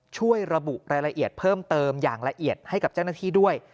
ช่วยระบุรายละเอียดเพิ่มเติมอย่างละเอียดให้กับเจ้าหน้าที่ด้วย